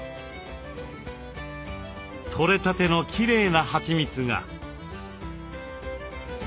とれたてのきれいなはちみつが。